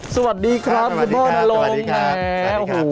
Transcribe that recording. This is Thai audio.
สวัสดีครับบ้านลองสวัสดีครับสวัสดีครับ